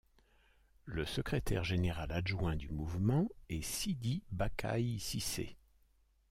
Le secrétaire général adjoint du mouvement est Sidy Bakaye Cissé.